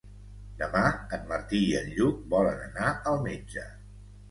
Demà en Martí i en Lluc volen anar al metge.